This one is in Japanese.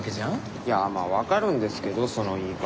いやまぁ分かるんですけどその言い方。